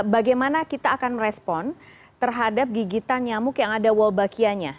bagaimana kita akan merespon terhadap gigitan nyamuk yang ada walbakianya